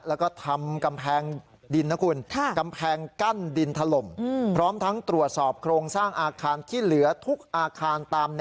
และทำกำแพงกั้นดินถล่ม